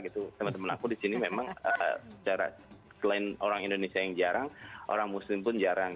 teman teman aku di sini memang secara selain orang indonesia yang jarang orang muslim pun jarang